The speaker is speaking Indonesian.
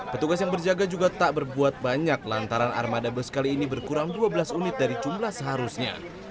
petugas yang berjaga juga tak berbuat banyak lantaran armada bus kali ini berkurang dua belas unit dari jumlah seharusnya